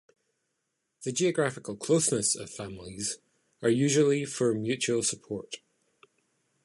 The geographical closeness of families are usually for mutual support.